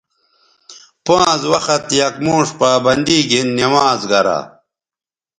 پانز وخت یک موݜ پابندی گھن نمازگرا